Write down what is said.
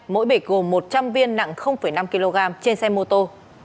mỗi bịch gồm một trăm linh viên nặng năm kg trên xe mô tô